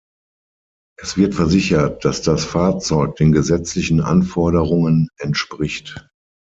Es wird versichert, daß das Fahrzeug den gesetzlichen Anforderungen entspricht.